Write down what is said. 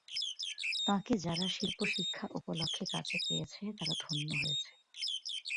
তাঁকে যারা শিল্পশিক্ষা উপলক্ষে কাছে পেয়েছে তারা ধন্য হয়েছে।